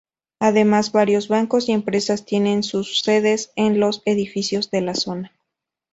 Además varios bancos y empresas tienen sus sedes en los edificios de la zona.